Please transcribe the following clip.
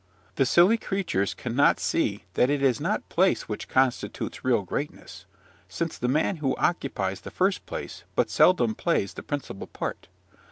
The silly creatures cannot see that it is not place which constitutes real greatness, since the man who occupies the first place but seldom plays the principal part.